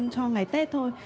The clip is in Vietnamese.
cho ngày tết thôi